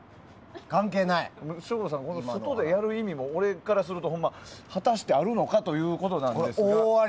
省吾さん、外でやる意味も俺からすると果たしてあるのかということですが。